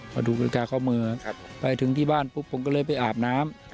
พอดูนาฬิกาข้อมือไปถึงที่บ้านปุ๊บผมก็เลยไปอาบน้ำ